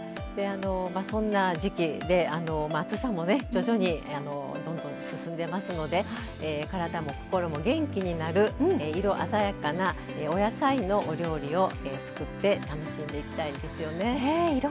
そんな時期で暑さも、徐々にどんどん進んでいますので体も心も元気になる色鮮やかなお野菜のお料理を作って楽しんでいきたいですよね。